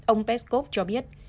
ông peskov cho biết